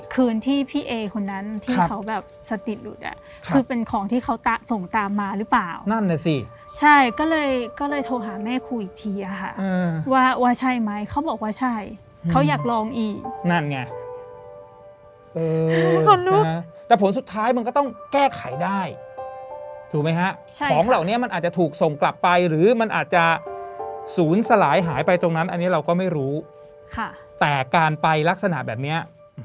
คืนที่พี่เอคนนั้นที่เขาแบบสติหลุดอ่ะคือเป็นของที่เขาส่งตามมาหรือเปล่านั่นน่ะสิใช่ก็เลยก็เลยโทรหาแม่ครูอีกทีอะค่ะว่าว่าใช่ไหมเขาบอกว่าใช่เขาอยากลองอีกนั่นไงเออแต่ผลสุดท้ายมันก็ต้องแก้ไขได้ถูกไหมฮะใช่ของเหล่านี้มันอาจจะถูกส่งกลับไปหรือมันอาจจะศูนย์สลายหายไปตรงนั้นอันนี้เราก็ไม่รู้ค่ะแต่การไปลักษณะแบบเนี้ย